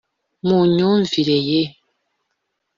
mu myumvire ye